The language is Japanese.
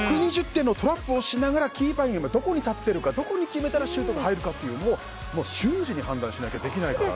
１２０点のトラップをしながらキーパーが今どこに立ってるかどこに決めたらシュートが入るかというのを瞬時に判断しないとできないから。